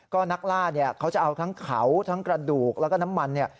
ก็นักล่าเนี่ยเขาจะเอาทั้งเขาทั้งกระดูกแล้วก็น้ำมันเนี่ย